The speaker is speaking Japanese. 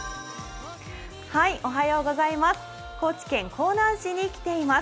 高知県香南市に来ています。